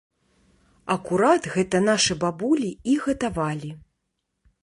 Акурат гэта нашы бабулі і гатавалі!